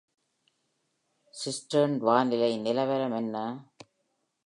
Cisternன் வானிலை நிலவரம் என்ன?